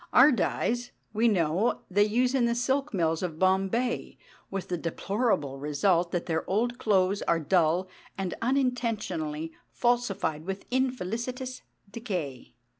Our dyes, we know, they use in the silk mills of Bombay, with the deplorable result that their old clothes are dull and unintentionally falsified with infelicitous decay.